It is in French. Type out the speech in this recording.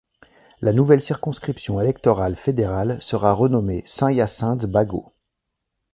La nouvelle circonscription électorale fédérale sera renommée Saint-Hyacinthe—Bagot.